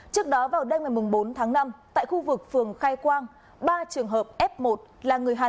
trước đó vào đêm ngày bốn tháng năm tại khu vực phường khai quang ba trường hợp f một là người hàn